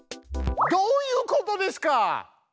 どういうことですか？